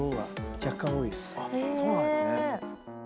そうなんですね。